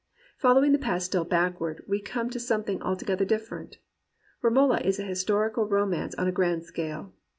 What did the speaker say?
Following the path still backward, we come to something altogether different. Romola is a his torical romance on the grand scale.